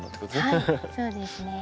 はいそうですね。